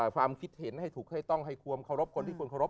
ความคิดเห็นให้ถูกให้ต้องให้ความเคารพคนที่ควรเคารพ